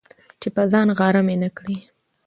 چي په ځان غره مي نه کړې،